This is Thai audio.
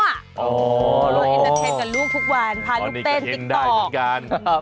อ๋อพอเวลาช่วยความน้ำเต็มกับลูกทุกวันภายุเต็มติกตอกอ่อนี่จะเย็นได้เหมือนกัน